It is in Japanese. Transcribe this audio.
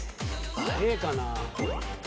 Ａかな。